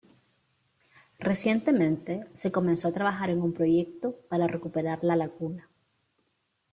Recientemente, se comenzó a trabajar en un proyecto para recuperar la laguna.